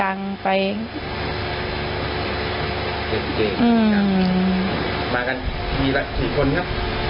ตรงจุดนี้ครับมากันมีมากไปสี่คนครับ